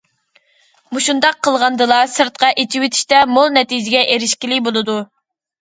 مۇشۇنداق قىلغاندىلا سىرتقا ئېچىۋېتىشتە مول نەتىجىگە ئېرىشكىلى بولىدۇ.